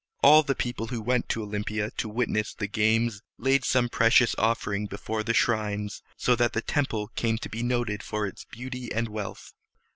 All the people who went to Olympia to witness the games laid some precious offering before the shrines, so that the temple came to be noted for its beauty and wealth.